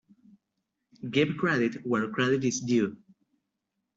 Give credit where credit is due.